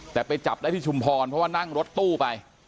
แต่ไปจับได้ที่ชุมพรเพราะว่านั่งรถตู้ไป